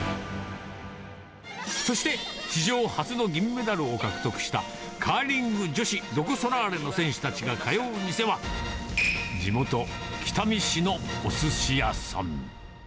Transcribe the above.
そして史上初の銀メダルを獲得したカーリング女子、ロコ・ソラーレの選手たちが通う店は、地元、北見市のおすし屋さん。